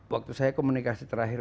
waktu saya komunikasi terakhir